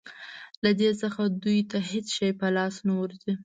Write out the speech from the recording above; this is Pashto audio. له دې څخه دوی ته هېڅ شی په لاس نه ورځي.